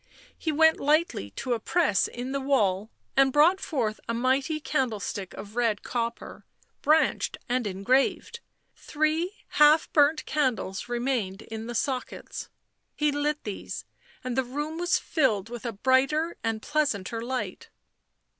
He went lightly to a press in the wall and brought forth a mighty candle stick of red copper, branched and engraved; three half burnt candles remained in the sockets; he lit these, and the room was filled with a brighter and pleasanter light.